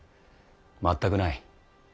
全くない。